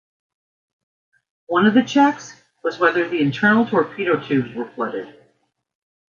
One of the checks was whether the internal torpedo tubes were flooded.